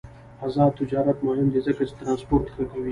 آزاد تجارت مهم دی ځکه چې ترانسپورت ښه کوي.